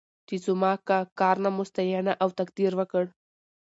چې زما که کار نه مو ستاینه او تقدير وکړ.